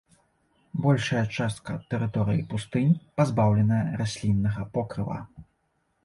Большая частка тэрыторыі пустынь пазбаўленая расліннага покрыва.